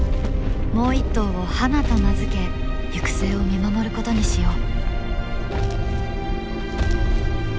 もう一頭をハナと名付け行く末を見守ることにしよう。